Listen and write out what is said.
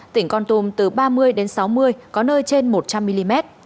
tỉnh con tum từ ba mươi sáu mươi mm có nơi trên một trăm linh mm